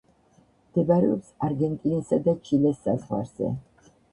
მდებარეობს არგენტინისა და ჩილეს საზღვარზე.